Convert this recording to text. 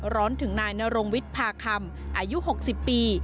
ร้อนถึงนายนรงวิทย์พาคำอายุ๖๐ปี